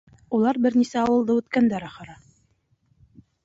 Улар бер нисә ауылды үткәндәр, ахыры.